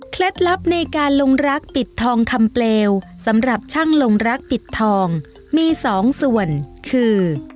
ลับในการลงรักปิดทองคำเปลวสำหรับช่างลงรักปิดทองมีสองส่วนคือ